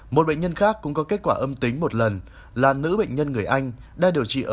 một bệnh nhân khác cũng có kết quả âm tính một lần là nữ bệnh nhân người anh đang điều trị ở